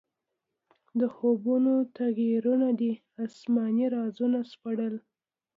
د خوبونو تعبیرونه دې اسماني رازونه سپړل.